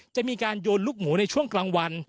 จะมีการโยนลูกหมูในช่วงกลางวัน